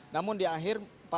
namun di akhir pak